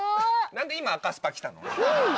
何で今赤スパ来たの？